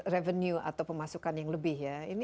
revenue atau pemasukan yang lebih